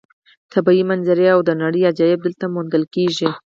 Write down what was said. طبیعي منظرې او د نړۍ عجایب دلته موندل کېږي.